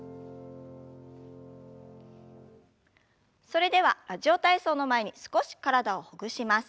それでは「ラジオ体操」の前に少し体をほぐします。